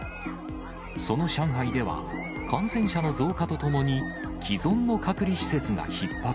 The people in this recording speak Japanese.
その上海では、感染者の増加とともに、既存の隔離施設がひっ迫。